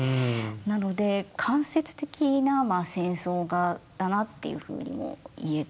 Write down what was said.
なので間接的な戦争画だなっていうふうにも言えて。